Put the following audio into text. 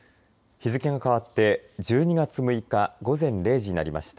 日付が変わって１２月６日午前０時になりました。